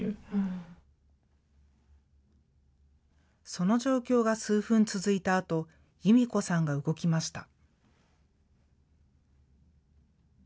その状況が数分続いたあと、由美子さんが動きました。